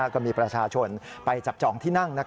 ก็มีประชาชนไปจับจองที่นั่ง